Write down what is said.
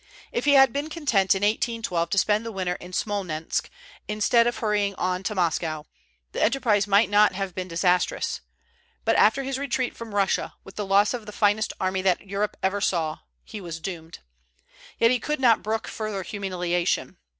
If he had been content in 1812 to spend the winter in Smolensk, instead of hurrying on to Moscow, the enterprise might not have been disastrous; but after his retreat from Russia, with the loss of the finest army that Europe ever saw, he was doomed. Yet he could not brook further humiliation.